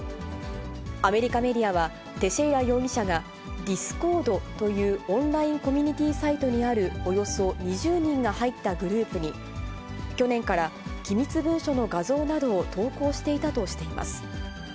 アメリカメディアは、テシェイラ容疑者が、ディスコードというオンラインコミュニティーサイトにあるおよそ２０人が入ったグループに、去年から機密文書の画像などを投稿していたとしています。